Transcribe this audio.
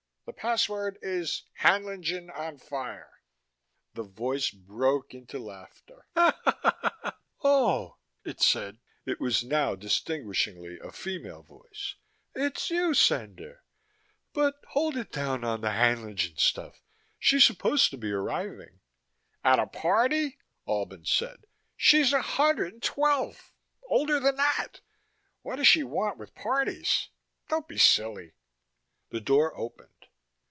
"The password is Haenlingen on fire." The voice broke into laughter. "Oh," it said. It was now distinguishingly a female voice. "It's you, Cendar. But hold it down on the Haenlingen stuff: she's supposed to be arriving." "At a party?" Albin said. "She's a hundred and twelve older than that. What does she want with parties? Don't be silly." The door opened.